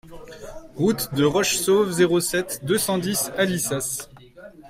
Route de Rochessauve, zéro sept, deux cent dix Alissas